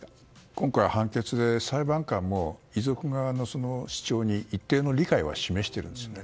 今回の判決で裁判官も遺族側の主張に一定の理解は示しているんですよね。